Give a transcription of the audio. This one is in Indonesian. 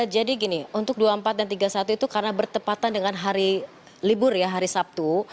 jadi gini untuk dua puluh empat dan tiga puluh satu itu karena bertepatan dengan hari libur ya hari sabtu